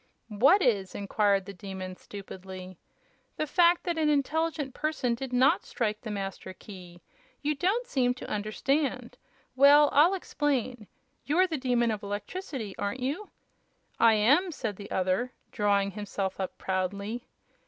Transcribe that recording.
"What is?" inquired the Demon, stupidly. "The fact that an intelligent person did not strike the Master Key. You don't seem to understand. Well, I'll explain. You're the Demon of Electricity, aren't you?" "I am," said the other, drawing himself up proudly.